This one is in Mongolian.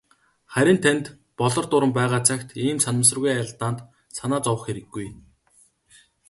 Харин танд "Болор дуран" байгаа цагт ийм санамсаргүй алдаанд санаа зовох хэрэггүй.